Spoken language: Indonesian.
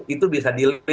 itu bisa dilengkapi